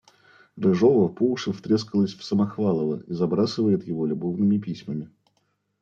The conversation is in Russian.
Рыжова по уши втрескалась в Самохвалова и забрасывает его любовными письмами!